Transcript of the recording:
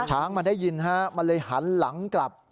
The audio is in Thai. ช้างมันได้ยินฮะมันเลยหันหลังกลับ